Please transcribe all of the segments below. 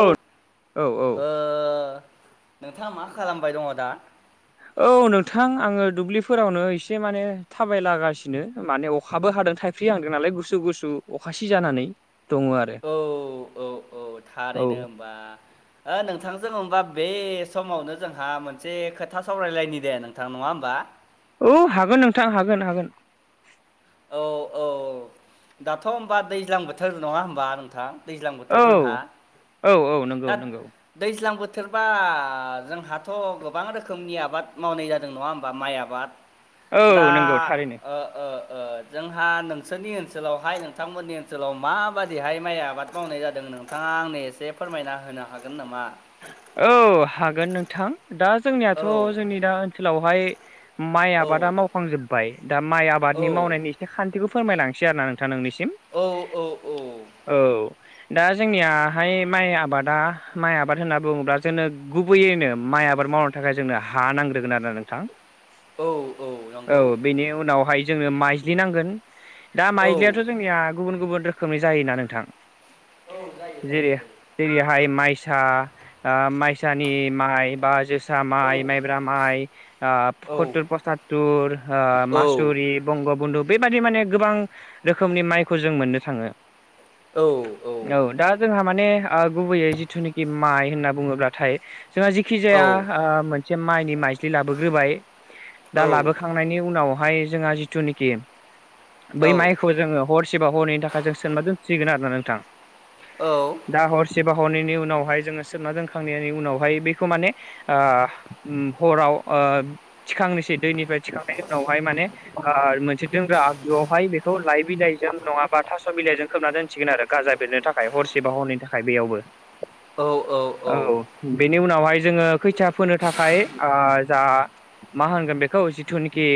औ औ औ ओह नोंथाङा मा खालामबाय दङ दा? औ नोंथां आङो दुब्लिफोरावनो एसे माने थाबायलागासिनो माने अखाबो हादों थाइ फ्रिहांदों नालाय गुसु गुसु अखासि जानानै दंङ आरो औ औ औ औ थारैनो होनबा ओ नोंथांजों होनबा बे समावनो जोंहा मोनसे खोथा सावरायलायनि दे नोंथां नङा होमबा औ हागोन नोंथां हागोन हागोन औ औ दाथ' होनबा दैज्लां बोथोर नङा होनबा नोंथां दैज्लां औ बोथोर जोंहा औ औ नंगौ दा नंगौ दैज्लां बोथोरबा जोंहाथ' गोबां रोखोमनि आबाद मावनाय जादों नङा होमबा माइ आबाद बाद औ दा नंगौ थारैनो ओ ओ ओ जोंहा नोंसोरनि ओनसोलावहाय नोंथांमोननि ओनसोलाव माबोरैहाय माइ आबाद मावनाय जादों नों नोंथांङा आंनो एसे फोरमायना होनो हागोन नामा? औ हागोन नोंथां दा औ जोंनियाथ' जोंनि दा ओनसोलावहाय माइ औ आबादा मावखांजोब्बाय दा माइ औ आबादनि मावनायनि बे खान्थिखौ फोरमायलांसै आरो ना नोंथाङ नोंनिसिम? औ औ औ औ दा जोंनियाहाय माइ आबादा माइ आबाद माइ आबाद होनना बुङोब्ला जोंनो गुबैयैनो माइ आबाद मावनो थाखाय जोंनो हा नांग्रोगोन आरोना नोंथां? औ औ नंगौ औ बेनि उनावहाय जोंनो माइज्लि नांगोन दा औ माइज्लि जोंनिया गुबुन गुबुन रोखोमनि जायोना नोंथां औ जायो जायो जायो जेरैहाय माइ सा ओ माइसानि माइ बा जोसा औ माइ माइब्रा माइ आ औ पकुततुर पसातुतर आ औ औ मासुरि बंग बन्दु बेबादि माने गोबां रोखोमनि माइखौ जों मोननो थाङो। औ दा जोंहा माने गुबैयै जिथुनिखि माइ होनना बुङोब्लाथाय जोंहा जिखि जाया ओ मोनसे माइनि माइज्लि लाबोग्रोबाय दा लाबोखां उनावहाय जोंहा जिथुनोखि बै माइखौ जोंडो हर एसेबा हरनैनि थाखाय जों सोमना दोनथ सिगोन आरो ना नोंथां। औ दा हरसेबा हरनैनि उनावहाय जोंङो सोमना दोनखांनायनि उनावहाय बेखौ माने ओह ओम हराव ओ थिखांनोसै दैनिफ्राय थिखांनायनि उनावहाय माने ओ मोनसे दोनग्रा आगजुआवहाय बेखौ लाइ बिलाइजों नङाबा थास' बिलाइजों खोबना दोन। सोमसिगोन आरो गाजा बेरनो थाखाय हरसेबा हरनैनि थाखाय बेयावबो औ औ। औ बेनि उनावहाय जोङो खैथिया फोनो थाखाय ओ जा मा होनगोन बेखौ जिथुनिखि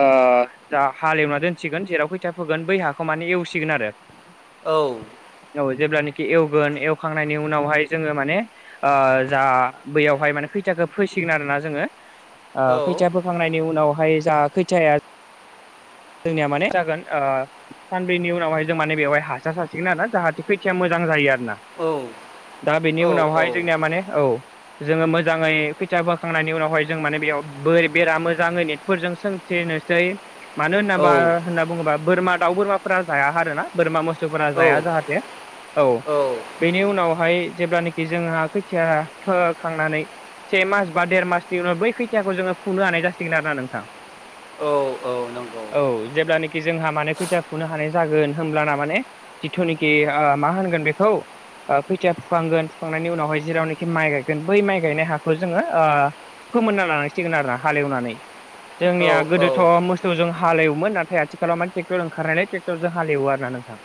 ओ जा हालेवना दोनसिगोन जेराव खैथिया फोगोन बै हाखौ माने एवसिगोन आरो औ। औ जेब्लानोखि एवगोन एवखांनायनि उनावहाय जोङो माने ओ जा बैयावहाय माने खैथियाखै फैसिगोन आरोना जोङो ओ खैथिया फोखांनायनि उनावहाय जा खैथिया आ जोंनिया माने जागोन ओ सानब्रैनि उनावहाय जों माने बेवहाय हासार सारसिगोन आरोना जाहाथे खैथिया मोजां जायो आरोना। औ। दा बेनि उनावहाय जोंनिया माने औ जोंङो मोजाङै खैथिया फोखांनायनि उनावहाय जों माने बेयाव बोर बेरा मोजाङै नेटफोरजों सों एसेनोसै मानो होनोबा होनना बुङोबा बोरमा दाउ बोरमाफोरा जाया आरोना बोरमा मोसौवफोरा औ जाया जाहाथे औ बेनि उनावहाय जेब्लानोखि जोंहा खैथिया फोखांनानै से मास बा देर मासनि उनाव बै खैथियाखौ जोङो फुनो हानाय जासिगोन आरोना नोंथां। औ औ नंगौ। औ जेब्लानोखि जोंहा माने खोथिया फुनो हानाय जागोन होमब्लाना माने जिथ'निखि ओ मा होनगोन बेखौ ओ खोथिया फुखांगोन फुखांनायनि उनावहाय जेरावनोखि माइ गायगोन बै माइ गायनाय हाखौ जोङो ओ फोमोनना लानांसिगोन आरोना हालेवनानै औ जोंनिया औ गोदोथ' मोस खो जों हालेवमोन नाथाय आथिखालाव माने टेक्टर ओंखारनाय टेक्टरजों हालेवो आरो ना नोंथां।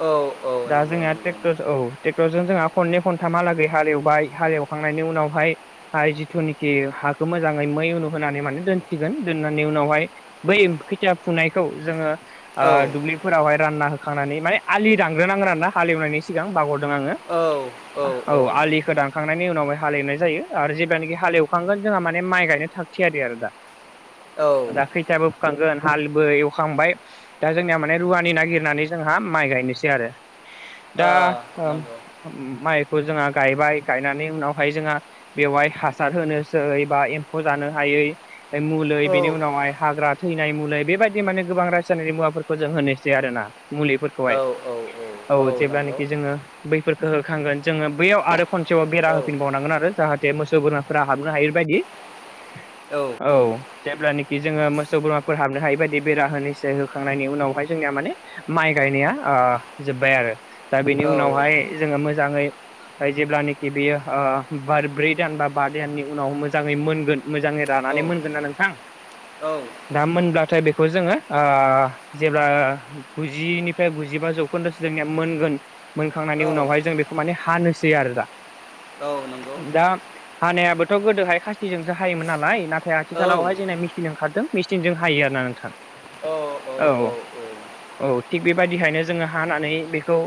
औ औ। दा नंगौ जोंहा नंगौ ट्रेक्टर नंगौ औ ट्रेक्टरजों जोंहा खननै खनथामालागै हालेवबाय हालेवखांनायनि उनावहाय हाय जिथुनिखि हाखो मोजाङै मै उनु होनानै माने दोनथिगोन दोननानै उनावहाय बै खैथिया फुनायखौ जोङो औ ओ दुब्लिफोरावहाय रानना होखांनानै माने आलि दानग्रोनांगोन आरोना हालेवनायनि सिगां बावगारदों आङो। औ औ आलिखौ दानखांनायनि उनावहाय हालेवनाय जायो आरो जेब्लानाखि हालेवखांगोन जोंहा माने माइ गायनो थाख थियारि आरो दा। [unintelligible] दा खैथाबो फुखांगोन हालबो एवखांबाय। दा जोंनिया माने रुवानि नागिरनानै जोंहा माइ गायनोसै आरो। दा आ ओम नंगौ माइखौ जोंहा गायबाय गायनानै उनावहाय जोंहा बेवहाय हासार होनोसै बा एम्फौ जानो हायै मुलै औ बेनि उनावहाय हाग्रा थैनाय मुलै बेबायदि माने गोबां रासायनारि मुवाफोरखौ जों होनोसै आरोना। औ मुलिफोरखौहाय औ जेब्लानोखि जोङो बैफोरखो होखांगोन जोङो बैयाव आरो खनसेबाव औ बेरा होफिनबावनांगोन आरो जाहाथे मोसौ बोरमाफोरा हाबनो हायै बायदि। [inaudible] औ जेब्लानोखि जोङो मोसौ बोरमाफोर हाबनो हायैबायदि बेरा होनोसै होखांनायनि उनावहाय जोंनिया माने माइ गायनाया ओ जोब्बाय आरो दा बेनि औ उनावहाय जोङो मोजाङै जेब्लानाखि बेयो ओ बार ब्रै दान बा बा दाननि उनाव मोजाङै मोनगोन मोजाङै औ रानानै नंगौ औ मोनगोन ना नोंथां। औ दा मोनब्लाथाय बेखौ जोङो ओ जेब्ला गुजिनिफ्राय गुजिबा जौखोन्दोसो जोंनिया मोनगोन मोनखांनायनि औ उनावहाय जों बेखौ माने हानोसै आरो दा। औ नंगौ। दा हानायाबोथ' गोदोहाय खास्थिजोंसो हायोमोन नालाय नाथाय आथिखालावहाय जोंना मिस थिन ओंखारदों मिसथिनजों हायो आरो ना नोंथां। औ। औ थिग बेबायदिहायनो जोङो हानानै बेखौ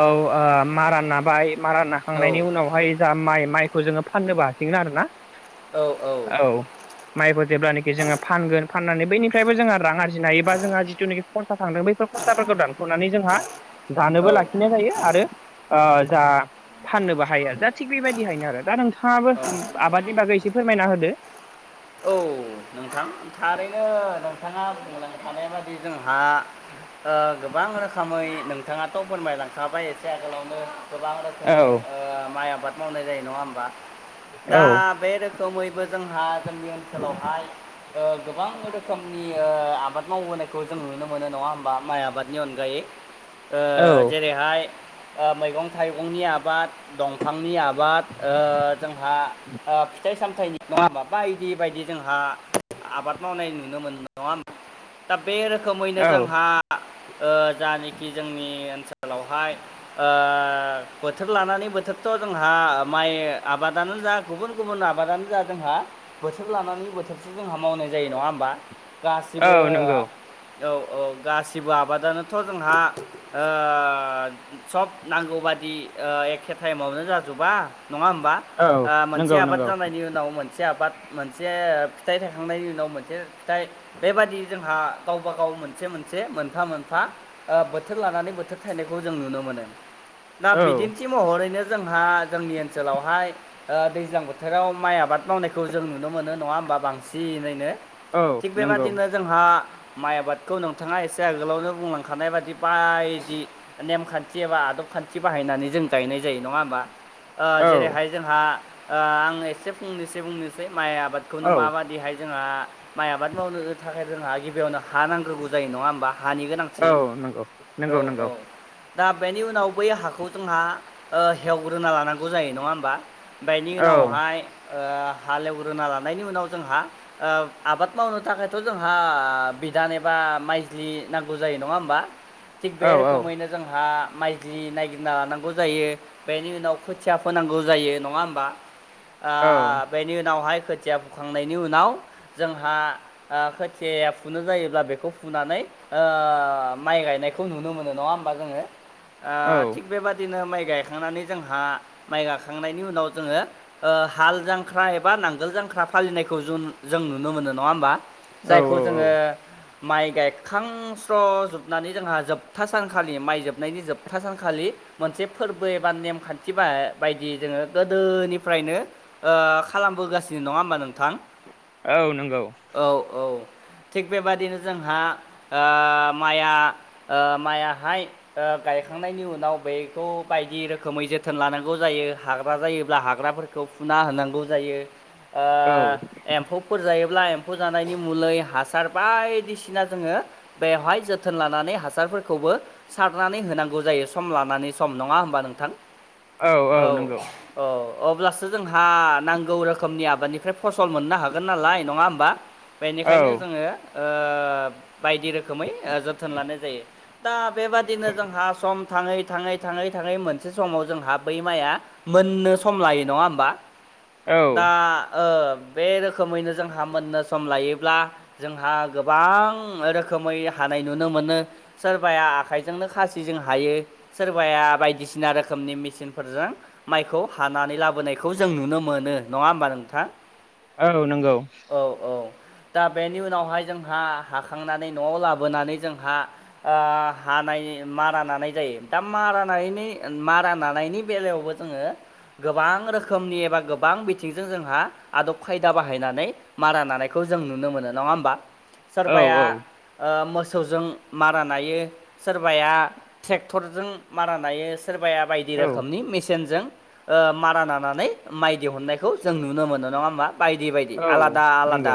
औ ओ मारा नाबाय मारा ना खांनायनि उनावहाय जा माइ माइखौ जोङो फाननोबो हासिगोन आरोना। औ औ। औ माइखौ जेब्लानो खि जोङो फानगोन फाननानै बैनिफ्रायबो जोङो रां आरजिनो हायो बा जोंहा जिथुनाखि खरसा थांदों बैफोर खस्थाफोरखौ दानख'नानै जोंहा जानोबो औ लाखिनाय जायो आरो ओ जा फाननोबो हायो आरो दा थिग बेबायदिहायनो आरो दा नोंथाङाबो औ औ आबादनि बागै एसे फोरमायना होदो। औ नोंथां। थारैनो नोंथाङा बुंलांखानाय बादि जोंहा ओ गोबां रोखोमै नोंथाङाथ' फोरमायलांखाबाय एसे आगोलावनो। गोबां रोखोमै औ ओ माइ आबाद मावनाय जायो नङा ओमबा? दा औ बे रोख खमैबो जोंहा जोंनि ओनसोलावहाय ओ गोबां रोखोमनि ओ आबाद मावबोनायखौ जों नुनो मोनो नङा होमबा माइ आबादनि अनगायै। ओ औ जेरैहाय ओ मैगं थाइगंनि आबाद दंफांनि आब बाद ओ जोंहा ओ फिथाइ सामथायाइनि नङाबा बायदि बायदि जोंहा आबाद मावनाय नुनो मोनो नङा होनबा दा बे रोखोमैनो औ जोंहा जानिखि जोंनि ओनसोलावहाय ओ बोथोर लानानै बोथोरथ' जोंहा माइ आबादानो जा गुबुन गुबुन आबादानो जा जोंहा बोथोर लानानै बोथोर जोंहा मावनाय जायो नङा होमबा गासिबो औ नंगौ औ औ गासिबो आबादानोथ' जोंहा ओ सब नांगौबादि ओ एखे टाइमावनो जाजोबा नङा होमबा? औ ओ मोनसे नंगौ आबाद नंगौ जानायनि उनाव मोनसे आबाद मोनसे फिथाइ थायखांनायनि उनाव मोनसे फिथाइ बेबादि जोंहा गावबा गाव मोनसे मोनसे मोन मोनफा मोनफा ओ बोथोर लानानै बोथोर थायनायखौ जों नुनो मोनो दा औ बिदिनो न्थि महरैनो जोंहा जोंनि ओनसोलावहाय ओ दैज्लां बोथोराव माइ आबाद मावनायखौ जों नुनो मोनो नङा होमबा बां सिनैनो औ थिग नंगौ बेबादिनो जोंहा माइ आबादखौ नोंथाङा एसे आगोलावनो बुंलांखानाय बादि बायदि नेमखान्थि एबा आदब खान्थि बाहायनानै जों गायनाय जायो नङा होमबा ओ औ जेरैहाय जोंहा ओ आं एसे फंनोसै बुंनोसै माइ आबादखौनो औ माबादि दिहाय जोंहा माइ आबाद मावनो थाखाय जोंहा गिबियावनो हा नांग्रोगौ जायो नङा होमबा हानि गोनां थि औ नंगौ औ नंगौ नंगौ औ दा बेनि उनाव बै हाखौ जोंहा हेवग्रोना लानांगौ जायो नङा होमबा बेनि औ उनावहाय ओ हालेवग्रोना लानायनि उनाव जोंहा ओ आबाद मावनो थाखायथ' जोंहा बिदान एबा माइ जि नांगौ जायो नङा होमबा थिग औ बे रोखोमैनो जोंहा माइलि नायगिरना लानांगौ जायो बेनि उनाव खोथिया फोनांगौ जायो नङा होमबा औ ओ बेनि उनावहाय खोथिया फुखांनायनि उनाव जोंहा ओ खोथिया फुनो जायोब्ला बेखौ फुनानै ओ माइ गायनायखौ नुनो मोनो नङा होमबा जोङो ओ औ थिग बेबादिनो माइ गायखांनानै जोंहा माइ गाखांनायनि उनाव जोङो ओ हाल जांख्रा एबा नांगोल जांख्रा फालिनायखौ जु जों नुनो मोनो नङा होमबा औ जायखौ जोङो माइ गायखांस्र'जोबनानै जोंहा जोबथा सानखालि माइ जोबनायनि जोबथा सानखालि मोनसे फोरबो एबा नेमखान्थि ब- बायदियै जोङो गोदोनिफ्रायनो ओ खालामबोगासिनो नङा होमबा नोंथां औ नंगौ औ औ थिग बेबादिनो जोंहा ओ माइआ ओ मायाहाय गायखांनायनि उनाव बेखौ बायदि रोखोमै जोथोन लानांगौ जायो हाग्रा जायोब्ला हाग्राफोरखौ खौ फुना होनांगौ जायो ओ औ एम्फौफोर जायोब्ला एम्फौ जानायनि मुलै हासार बायदिसिना जोङो बेवहाय जोथोन लानानै हासारफोरखौबो सारनानै होनांगौ जायो सम लानानै सम नङा होमबा नोंथां औ औ अब्लासो जोंहा नांगौ रोखोमनि आबादनिफ्राय फसल मोननो हागोन नालाय नङा होमबा औ बेनिखायनो जोङो ओ बायदि रोखोमै जोथोन लानाय जायो दा बेबादिनो जोंहा सम थाङै थाङै थाङै थाङै मोनसे समाव जोंहा बै माइआ मोननो सम लायो नङा होमबा औ दा बे रोखोमैनो जोंहा मोननो सम लायोब्ला जोंहा गोबां रोखोमै हानाय नुनो मोनो सोरबाया आखाइजोंनो खासिजों हायो सोरबाया बायदिसिना रोखोमनि मेसिनफोरजों माइखौ हानानै लाबोनायखौ जों नुनो मोनो नङा होमबा नोंथां औ नंगौ औ औ दा बेनि उनावहाय जोंहा हाखांनानै न'आव लाबोनानै जोंहा हानाय मारा नानाय जायो दा मारानि मारा नानायनि बेलायावबो जोङो गोबां रोखोमनि एबा गोबां बिथिंजों जोंहा आदब खायदा बाहायनानै मारा नानायखौ जों नुनो मोनो नङा होमबा औ सोरबाया मोसौजों मारा नायो सोरबाया ट्रेक्टरजों मारा नायायो सोरबाया बायदि बायदि औ रोखोमनि मेसेनजों मारा नानानै माइ दिहुननायखौ जों नुनो मोनो नङा होमबा बायदि बायदि औ आलादा आलादा नंगौ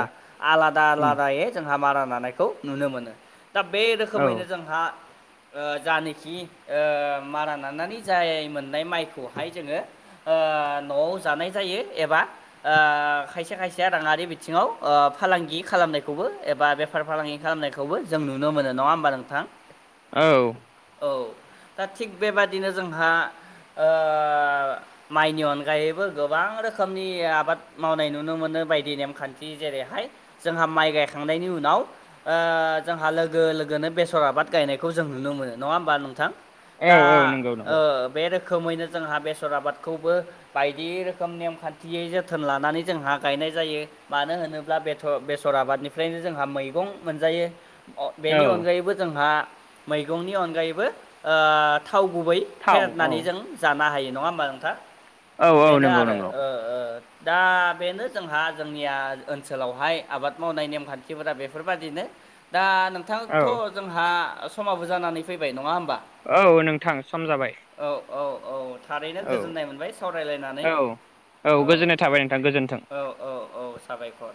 आलादा उम आलादा जोंहा मारा लानायखौ नुनो मोनो दा बे औ रोखोमैनो जोंहा जा नाखि मारा नानानै जायोमोन माइखौहाय जोङो न'आव जानाय जायो एबा खायसे खायसे राङारि बिथिङाव फालांगि खालामनायखौबो एबा बेफार फालांगि खालामनायखौबो जों नुनो मोनो नङा होमबा नोंथां औ औ दा थिग बेबादिनो जोंहा ओ माइनि अनगायैबो गोबां रोखोमनि आबाद मावनाय नुनो मोनो बायदि नेमखान्थि जेरैहाय जोंहा माइ गायखांनायनि उनाव ओ जोंहा लोगो लोगोनो बेसर आबाद गायनायखौ जों नुनो मोनो नङा होमबा नोंथां औ दा औ नंगौ नंगौ आ बे रोखोमैनो जोंहा बेसर आबादखौबो बायदि रोखोम नेमखान्थियै जों जोथोन लानानै जोंहा गायनाय जायो मानो होनोब्ला बेर बेसर आबादनिफ्रायनो जोंहा मैगं मोनजायो औ बेनि अनगायैबो जोंहा मैगंनि अनगायैबो थाव गुबै थाव औ फेरेदनानै जों जानो हायो नङा होमबा नोंथा औ औ बेनो नंगौ आरो नंगौ दा बेनो जोंहा जोंनिया ओनसोलावहाय आबाद मावनाय नेम खान्थिफोरा बेफोरबादिनो दा औ नोंथांथ' जोंहा समाबो जानानै फैबाय नङा होमबा औ नोंथां सम जाबाय औ औ औ थारैनो औ गोजोननाय मोनबाय सावरायलायनानै औ औ थाबाय नोंथां गोजोनथों औ औ औ साबायखर